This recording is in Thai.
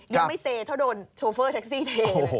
ยังไม่เซเท่าโดนโชเฟอร์แท็กซี่เทเลย